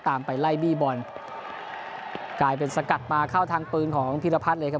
ไปไล่บี้บอลกลายเป็นสกัดมาเข้าทางปืนของพีรพัฒน์เลยครับ